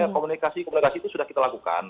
komunikasi komunikasi itu sudah kita lakukan